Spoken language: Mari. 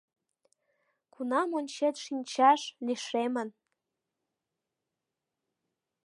Кунам ончет шинчаш, лишемын